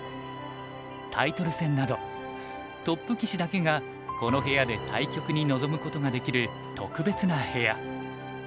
タイトル戦などトップ棋士だけがこの部屋で対局に臨むことができる特別な部屋。